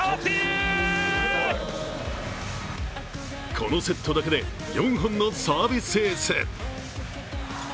このセットだけで４本のサービスエース。